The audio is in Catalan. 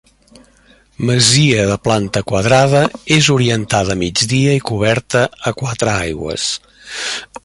Masia, de planta quadrada, és orientada a migdia i coberta a quatre aigües.